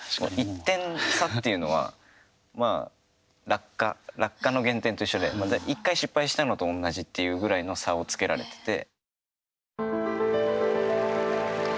１点差っていうのは落下の減点と一緒で１回失敗したのと同じっていうぐらいの差をつけられてて。